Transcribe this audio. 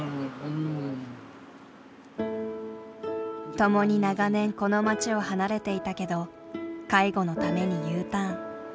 共に長年この町を離れていたけど介護のためにＵターン。